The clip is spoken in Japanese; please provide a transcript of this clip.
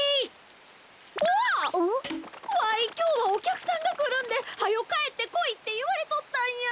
わいきょうはおきゃくさんがくるんではよかえってこいっていわれとったんや！